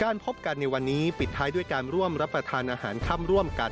พบกันในวันนี้ปิดท้ายด้วยการร่วมรับประทานอาหารค่ำร่วมกัน